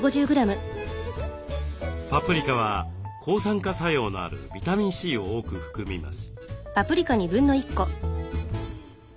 パプリカは抗酸化作用のあるビタミンＣを多く含みます。